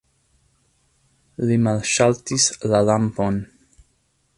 Li malŝaltis la lampon.